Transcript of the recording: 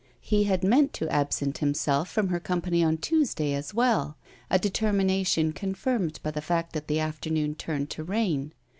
He had meant to absent himself from her company on Tuesday as well; a determination confirmed by the fact that the afternoon turned to rain.